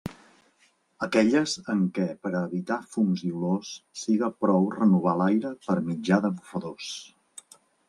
Aquelles en què per a evitar fums i olors siga prou renovar l'aire per mitjà de bufadors.